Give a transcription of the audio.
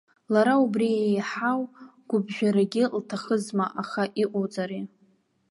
Лара убри еиҳау гәыԥжәарагьы лҭахызма, аха иҟоуҵари.